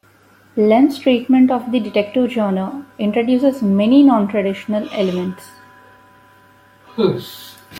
Lem's treatment of the detective genre introduces many nontraditional elements.